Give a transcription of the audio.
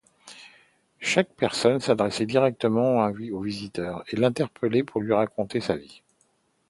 Chaque personnage s'adressait directement au visiteur, et l'interpellait pour lui raconter sa vie.